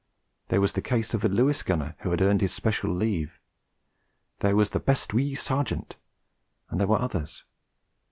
There was the case of the Lewis gunner who had earned his special leave; there was 'the best wee sergeant,' and there were others.